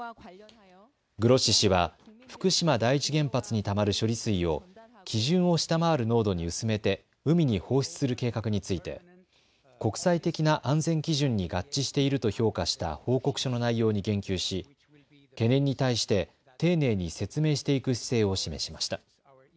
グロッシ氏は福島第一原発にたまる処理水を基準を下回る濃度に薄めて海に放出する計画について国際的な安全基準に合致していると評価した報告書の内容に言及し懸念に対して丁寧に説明していく姿勢を示しました。